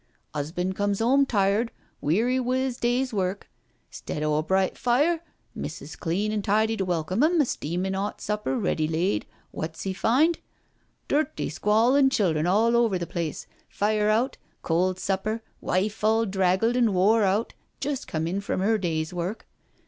'Usband comes 'ome tired, weary with 'is day's work — 'stead of a bright fire, missus clean and tidy to welcome 'im, a steamin' 'ot supper ready laid, wot's 'e find? Dirty, squalin* children all over the place, fire out, cold supper, wife all draggled an' wore out, just come in from 'er day's work.